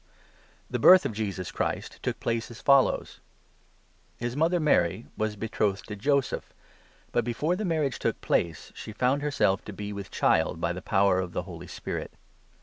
The The birth of Jesus Christ took place as follows: — 18 Birth or His mother Mary was betrothed to Joseph, but, jesus. before the marriage took place, she found herself to be with child by the power of the Holy Spirit.